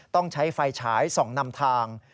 ต้องใช้ไฟฉายส่องนำทาง